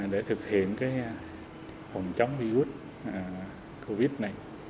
để thực hiện cái phòng chống covid này